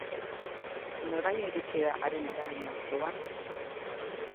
Noraino iritsi da haren eragina zugan?